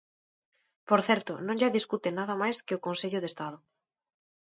Por certo, non lla discute nada máis que o Consello de Estado.